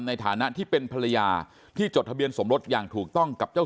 ในฐานะที่เป็นภรรยาที่จดทะเบียนสมรสอย่างถูกต้องกับเจ้า